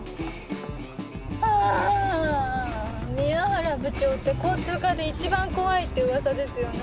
あぁ宮原部長って交通課で一番怖いって噂ですよね。